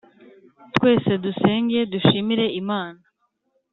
twese dusenge dushimire imana